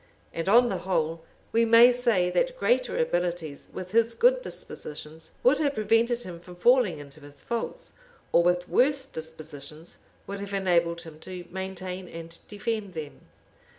And on the whole, we may say, that greater abilities, with his good dispositions, would have prevented him from falling into his faults, or with worse dispositions, would have enabled him to maintain and defend them.